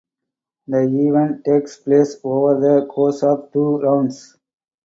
The event takes place over the course of two rounds.